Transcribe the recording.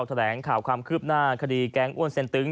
แถลงข่าวความคืบหน้าคดีแก๊งอ้วนเซ็นตึง